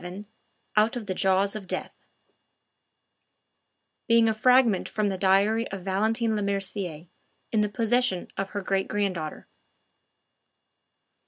VII OUT OF THE JAWS OF DEATH Being a fragment from the diary of Valentine Lemercier, in the possession of her great granddaughter.